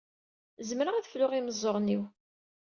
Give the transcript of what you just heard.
Zemreɣ ad fluɣ imeẓẓuɣen-iw.